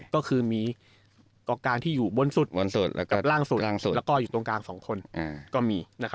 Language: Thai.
ก็คือมีกองกลางที่อยู่บนสุดล่างสุดแล้วก็อยู่ตรงกลาง๒คนก็มี